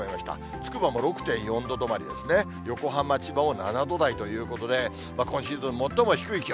つくばも６．４度止まりですね、横浜、千葉も７度台ということで、今シーズン、最も低い気温。